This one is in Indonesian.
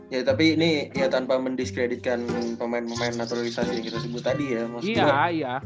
ya tapi ini ya tanpa mendiskreditkan pemain pemain naturalisasi yang kita sebut tadi ya